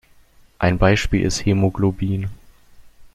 Ein Beispiel ist Hämoglobin.